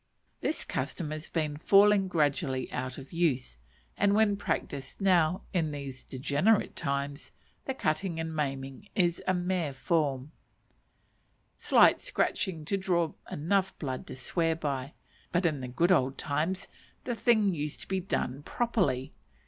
This custom has been falling gradually out of use; and when practised now, in these degenerate times, the cutting and maiming is a mere form: slight scratching to draw enough blood to swear by; but, in "the good old times," the thing used to be done properly.